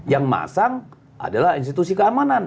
yang masang adalah institusi keamanan